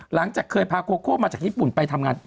หลังจากเคยพาโคโคมาจากญี่ปุ่นไปทำงาน